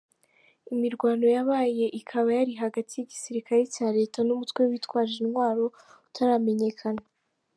Imirwano yabaye ikaba yari hagati y’igisirikare cya Leta n’umutwe witwaje intwaro utaramenyekana.